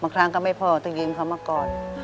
ครั้งก็ไม่พอต้องยิงเขามาก่อน